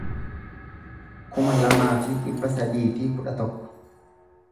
kuma lamaa fi dhibba sadii fi kudha tokko